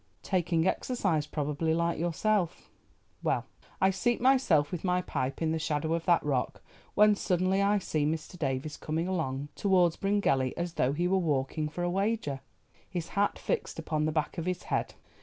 "Taking exercise, probably, like yourself. Well, I seat myself with my pipe in the shadow of that rock, when suddenly I see Mr. Davies coming along towards Bryngelly as though he were walking for a wager, his hat fixed upon the back of his head.